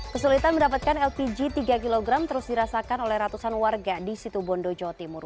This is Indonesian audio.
kesulitan mendapatkan lpg tiga kg terus dirasakan oleh ratusan warga di situ bondo jawa timur